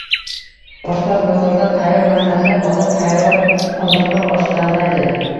Oshpaz bozordan tayyor masalliq olib, tayyor qozonda osh damlaydi.